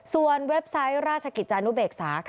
ส่วนเว็บไซต์ราชกิจจานุเบกษา